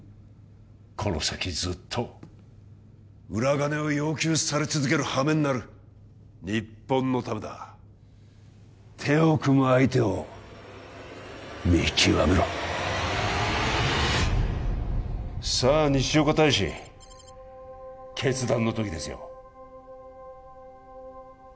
この先ずっと裏金を要求され続けるはめになる日本のためだ手を組む相手を見極めろさあ西岡大使決断の時ですよ